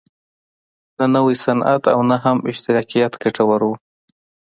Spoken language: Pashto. نه نوی صنعت او نه هم اشتراکیت ګټور و.